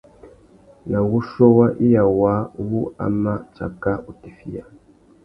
Na wuchiô wa iya waā wu a mà tsaka utifiya.